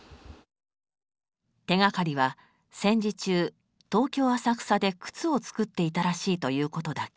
手がかりは戦時中東京・浅草で靴を作っていたらしいということだけ。